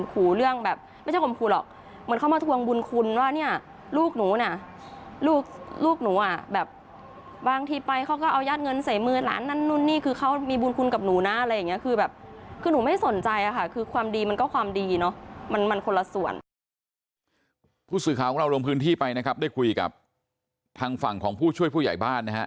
ผู้สื่อข่าวของเราลงพื้นที่ไปนะครับได้คุยกับทางฝั่งของผู้ช่วยผู้ใหญ่บ้านนะฮะ